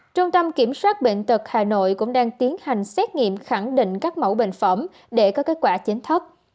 trung tâm kiểm soát bệnh tật hà nội cũng đang tiến hành xét nghiệm khẳng định các mẫu bệnh phẩm để có kết quả chính thấp